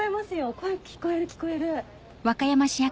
声聞こえる聞こえる。